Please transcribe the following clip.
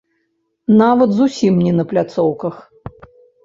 Нават зусім не на пляцоўках.